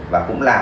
và cũng là